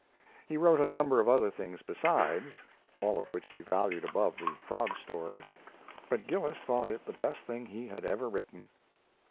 He wrote a number of other things besides, all of which he valued above the frog story; but Gillis thought it the best thing he had ever written.